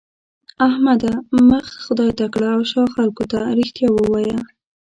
احمده! مخ خدای ته کړه او شا خلګو ته؛ رښتيا ووايه.